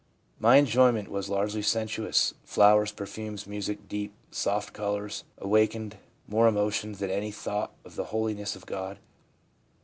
My enjoyment was largely sensuous ; flowers, perfumes, music, deep, soft colours, awakened more emotion than any thought of the holiness of God.'